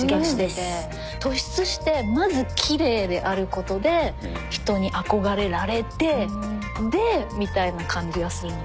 突出してまずきれいであることで人に憧れられてでみたいな感じがするので。